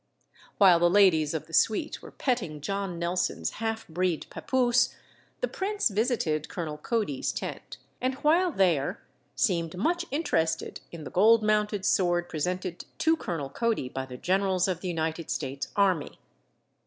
While the ladies of the suite were petting John Nelson's half breed papoose, the prince visited Colonel Cody's tent and while there seemed much interested in the gold mounted sword presented to Colonel Cody by the generals of the United States Army.